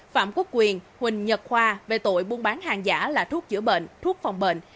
phạm quốc quyền huỳnh nhật khoa về tội buôn bán hàng giả là thuốc chữa bệnh thuốc phòng bệnh